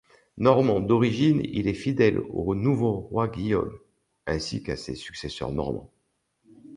Normand d'origine, il est fidèle au nouveau roi Guillaume ainsi qu'à ses successeurs normands.